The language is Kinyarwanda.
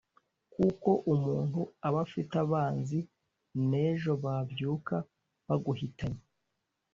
kuko umuntu aba afite abanzi n’ejo babyuka baguhitanye